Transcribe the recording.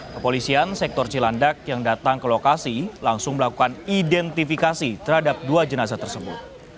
kepolisian sektor cilandak yang datang ke lokasi langsung melakukan identifikasi terhadap dua jenazah tersebut